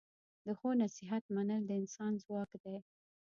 د ښو نصیحت منل د انسان ځواک دی.